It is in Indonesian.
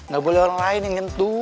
gak boleh orang lain yang nyentuh